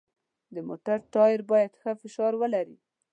د موټر ټایر باید ښه فشار ولري.